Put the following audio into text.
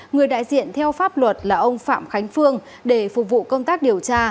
người đại diện theo pháp luật là ông phạm khánh phương để phục vụ công tác điều tra